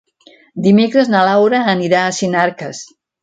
Dimecres na Laura anirà a Sinarques.